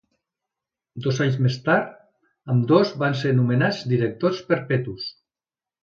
Dos anys més tard ambdós van ser nomenats directors perpetus.